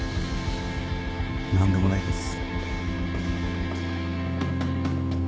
何でもないです。